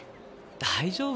大丈夫！